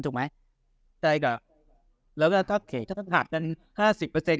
ถูกไหมใช่ก็แล้วก็ถ้าถ้าหักกันห้าสิบเปอร์เซ็นต์